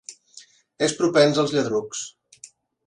És propens als lladrucs.